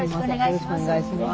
よろしくお願いします。